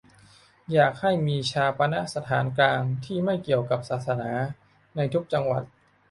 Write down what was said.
อยากให้มีฌาปนสถานกลางที่ไม่เกี่ยวกับศาสนา ในทุกจังหวัด